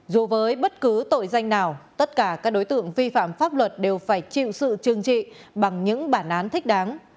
dù với bất cứ tội danh nào tất cả các đối tượng vi phạm pháp luật đều phải chịu sự trừng trị bằng những bản án thích đáng